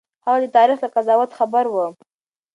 هغه د تاريخ له قضاوت خبر و.